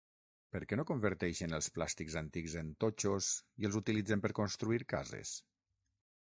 Perquè no converteixen els plàstics antics en totxos i els utilitzen per construir cases?